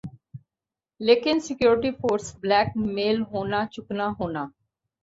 لیکن security force blackmail ہونا چکنا ہونا